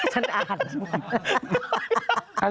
ฉันอ่านใช่ไหม